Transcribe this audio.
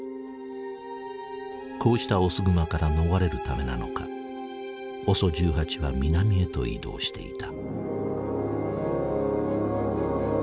こうしたオスグマから逃れるためなのかＯＳＯ１８は南へと移動していた。